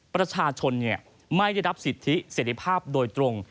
ประชาชนไม่ได้รับสิทธิเสร็จภาพโดยตรง